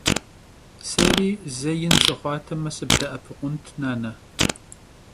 Seri ze yin sıxhuateme, sıbde'epıkhunt, nane.